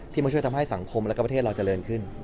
มาช่วยทำให้สังคมและประเทศเราเจริญขึ้น